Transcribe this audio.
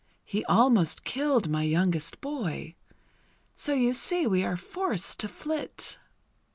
He almost killed my youngest boy. So you see we are forced to flit."